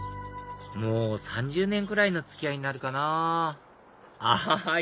もう３０年くらいの付き合いになるかなぁあっ